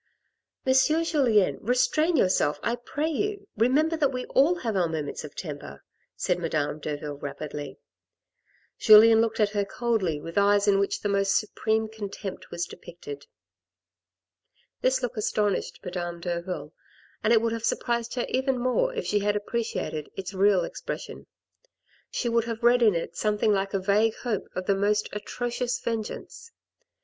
"Monsieur Julien, restrain yourself, I pray you. Remember that we all have our moments of temper," said madame Derville rapidly. Julien looked at her coldly with eyes in which the most supreme contempt was depicted. This look astonished Madame Derville, and it would have surprised her even more if she had appreciated its real ex pression ; she would have read in it something like a vague hope of the most atrocious vengeance.